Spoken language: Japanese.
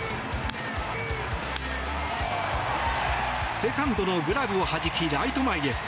セカンドのグラブをはじきライト前へ。